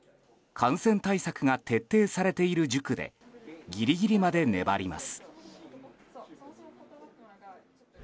感染対策が徹底されている塾でギリギリまで粘ります。